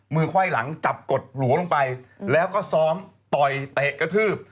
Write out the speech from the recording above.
ไขว้หลังจับกดหลัวลงไปแล้วก็ซ้อมต่อยเตะกระทืบ